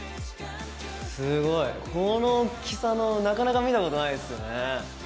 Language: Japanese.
すごいこの大っきさのなかなか見たことないっすよね。